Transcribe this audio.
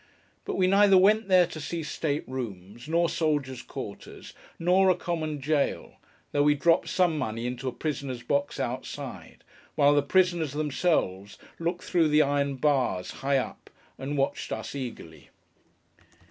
But we neither went there, to see state rooms, nor soldiers' quarters, nor a common jail, though we dropped some money into a prisoners' box outside, whilst the prisoners, themselves, looked through the iron bars, high up, and watched us eagerly.